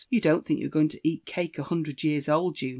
— you don't think you're going to eat cake a hundred years old, Juno?"